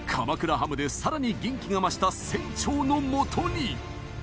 ハムでさらに元気が増した船長のもとに。